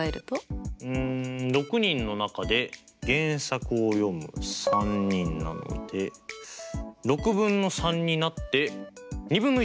うん６人の中で原作を読む３人なので６分の３になって２分の１ってこと？